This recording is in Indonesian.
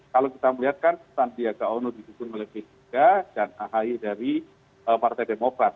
kalau kita melihatkan sandiaga unu dihukum oleh p tiga dan ahaye dari partai demokrat